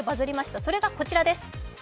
それがこちらです。